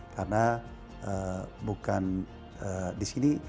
karena bukan di sini